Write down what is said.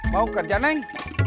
mau kerja neng